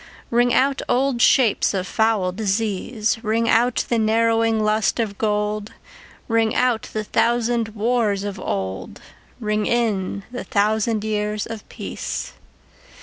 Ring out old shapes of foul disease, Ring out the narrowing lust of gold; Ring out the thousand wars of old, Ring in the thousand years of peace.